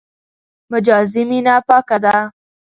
مجازي مینه پاکه ده.